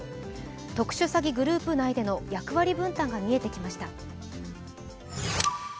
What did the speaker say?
特殊詐欺グループ内での役割分担が見えてきました。